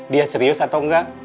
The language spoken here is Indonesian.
dia serius atau nggak